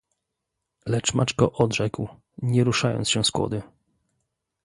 "Lecz Maćko odrzekł, nie ruszając się z kłody."